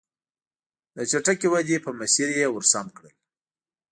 د چټکې ودې په مسیر یې ور سم کړل.